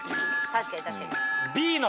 確かに確かに。